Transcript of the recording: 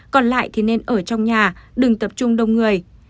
còn lại thì nên ở trong nhà đừng tập trung đông người